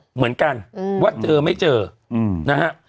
เหมือนกันว่าเจอไม่เจอนะฮะ